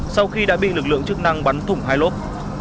sau khi đã bị lực lượng chức năng bắn thủng hai lốp